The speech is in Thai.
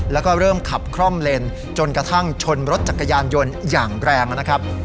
แล้วก็เริ่มขับคล่อมเลนจนกระทั่งชนรถจักรยานยนต์อย่างแรงนะครับ